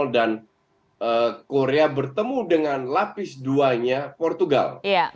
dan korea bertemu dengan lapis dua nya portugal